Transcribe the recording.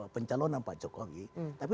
pencalonan pak jokowi tapi